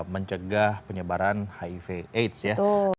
mencegah penyebaran hiv aids ya